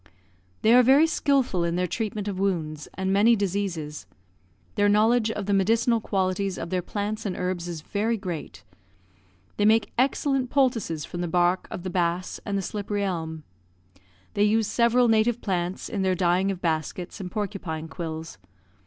They are very skilful in their treatment of wounds, and many diseases. Their knowledge of the medicinal qualities of their plants and herbs is very great. They make excellent poultices from the bark of the bass and the slippery elm. They use several native plants in their dyeing of baskets and porcupine quills.